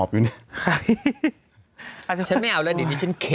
คือ